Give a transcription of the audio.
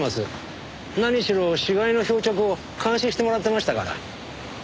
何しろ死骸の漂着を監視してもらってましたから。